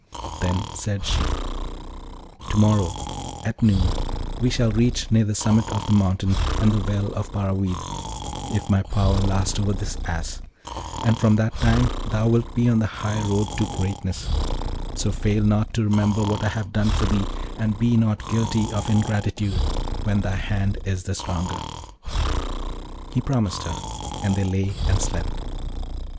Then said she, 'To morrow, at noon, we shall reach near the summit of the mountain and the Well of Paravid, if my power last over this Ass; and from that time thou wilt be on the high road to greatness, so fail not to remember what I have done for thee, and be not guilty of ingratitude when thy hand is the stronger.' He promised her, and they lay and slept.